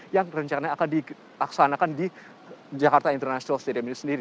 yang rencananya akan dilaksanakan di jakarta international stadium ini sendiri